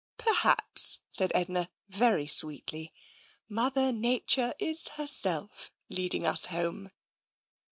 " Perhaps," said Edna very sweetly, " Mother Nature is herself leading us home.